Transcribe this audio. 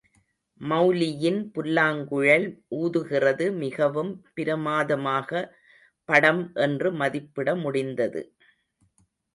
மெளலியின் புல்லாங்குழல் ஊதுகிறது மிகவும் பிரமாதமாக படம் என்று மதிப்பிட முடிந்தது.